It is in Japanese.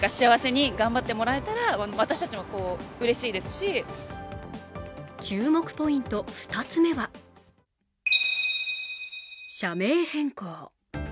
街の人は注目ポイント２つ目は、社名変更。